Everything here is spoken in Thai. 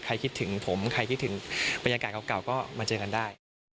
คิดถึงผมใครคิดถึงบรรยากาศเก่าก็มาเจอกันได้